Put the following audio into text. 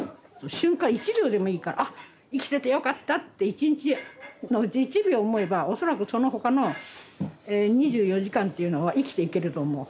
瞬間１秒でもいいから「あ生きててよかった」って１日のうち１秒思えば恐らくその他の２４時間っていうのは生きていけると思う。